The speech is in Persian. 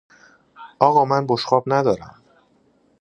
آقا من بشقاب ندارم.